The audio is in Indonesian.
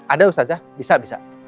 ada ustazah bisa bisa